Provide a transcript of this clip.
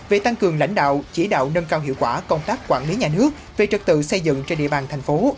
về tăng cường lãnh đạo chỉ đạo nâng cao hiệu quả công tác quản lý nhà nước về trật tự xây dựng trên địa bàn thành phố